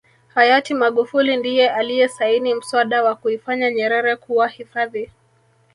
hayati magufuli ndiye aliyesaini mswada wa kuifanya nyerere kuwa hifadhi